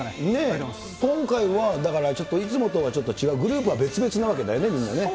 ありが今回はだからちょっといつもとはちょっと違う、グループは別々なわけだよね、みんなね。